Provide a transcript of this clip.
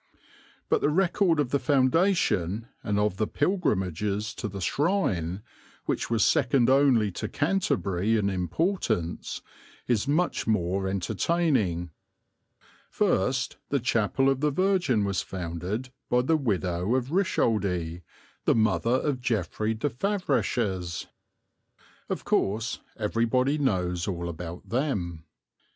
But the record of the foundation and of the pilgrimages to the shrine, which was second only to Canterbury in importance, is much more entertaining. First the Chapel of the Virgin was founded by the widow of Richoldie, the mother of Geoffrey de Favraches. (Of course everybody knows all about them!)